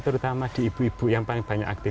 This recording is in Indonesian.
terutama di ibu ibu yang paling banyak aktif